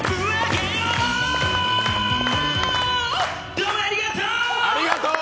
どうもありがとう！